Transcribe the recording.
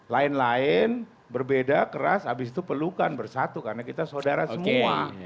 lain lain berbeda keras abis itu pelukan bersatu karena kita saudara semua